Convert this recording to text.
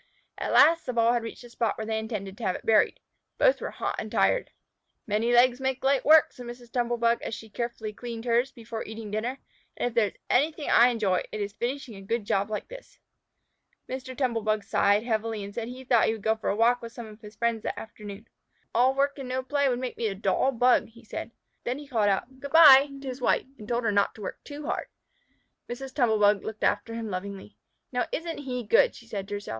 At last the ball had reached the spot where they intended to have it buried. Both were hot and tired. "Many legs make light work," said Mrs. Tumble bug, as she carefully cleaned hers before eating dinner, "and if there is anything I enjoy, it is finishing a good job like this!" Mr. Tumble bug sighed heavily and said he thought he would go for a walk with some of his friends that afternoon. "All work and no play would make me a dull Bug," said he. Then he called out "Good by" to his wife, and told her not to work too hard. Mrs. Tumble bug looked after him lovingly. "Now, isn't he good?" she said to herself.